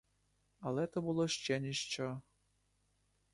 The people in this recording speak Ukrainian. Але то було ще ніщо.